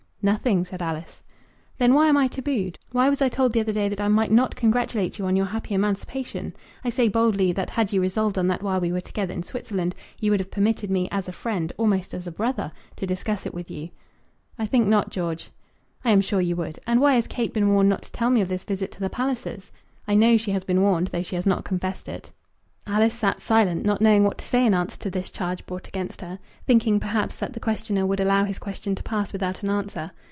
"Nothing," said Alice. "Then why am I tabooed? Why was I told the other day that I might not congratulate you on your happy emancipation? I say boldly, that had you resolved on that while we were together in Switzerland, you would have permitted me, as a friend, almost as a brother, to discuss it with you." "I think not, George." "I am sure you would. And why has Kate been warned not to tell me of this visit to the Pallisers? I know she has been warned though she has not confessed it." Alice sat silent, not knowing what to say in answer to this charge brought against her, thinking, perhaps, that the questioner would allow his question to pass without an answer.